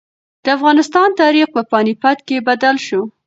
د افغانستان تاریخ په پاني پت کې بدل شو.